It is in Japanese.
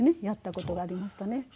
やった事がありましたね。